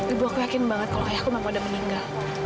ibu aku yakin banget kalau ayahku memang pada meninggal